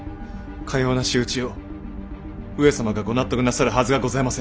かような仕打ちを上様がご納得なさるはずがございませぬ！